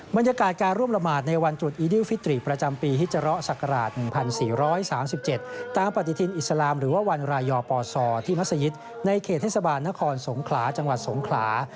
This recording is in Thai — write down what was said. บรรยากาศการร่วมละหมาดในวันตรุษอีดิวฟิตรีประจำปีฮิจาระศักราช๑๔๓๗ตามปฏิทินอิสลามหรือว่าวันรายปศที่มัศยิตในเขตเทศบาลนครสงขลาจังหวัดสงขลา